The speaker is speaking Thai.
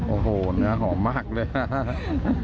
โอ้โหเนื้อหอมมากเลย